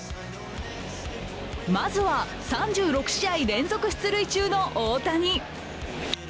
まずは、３６試合連続出塁中の大谷。